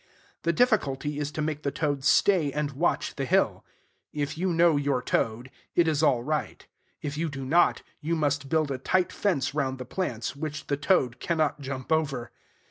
The difficulty is to make the toad stay and watch the hill. If you know your toad, it is all right. If you do not, you must build a tight fence round the plants, which the toad cannot jump over.